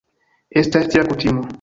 Estas tia kutimo.